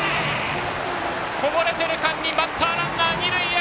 こぼれてる間にバッターランナー、二塁へ！